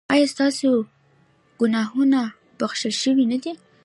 ایا ستاسو ګناهونه بښل شوي نه دي؟